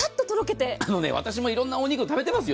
私もいろんなお肉を食べてますよ。